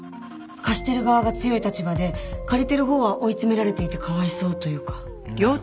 貸してる側が強い立場で借りてるほうは追い詰められていてかわいそうというか。